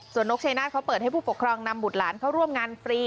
ส่วนนกชัยนาธเขาเปิดให้ผู้ปกครองนำบุตรหลานเข้าร่วมงานฟรี